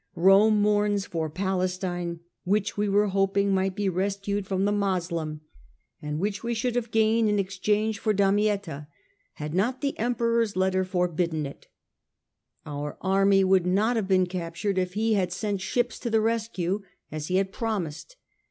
... Rome mourns for Palestine, which we were hoping might be rescued from the Moslem, and which we should have 82 STUPOR MUNDI gained in exchange for Damietta, had not the Emperor's letter forbidden it ; our army would not have been captured if he had sent ships to the rescue, as he had promised.